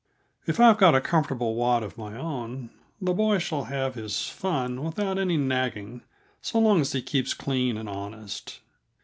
If I've got a comfortable wad of my own, the boy shall have his fun without any nagging, so long as he keeps clean and honest.